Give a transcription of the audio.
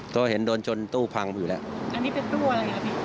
ก็เห็นโดนจนตู้พังอยู่แล้วอันนี้เป็นตู้อะไรครับพี่